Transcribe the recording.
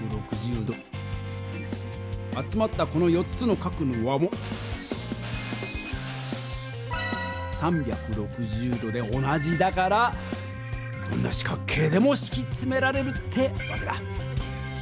集まったこの４つの角の和も３６０度で同じだからどんな四角形でもしきつめられるってわけだ。